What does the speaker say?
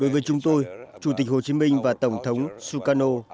với chúng tôi chủ tịch hồ chí minh và tổng thống sukano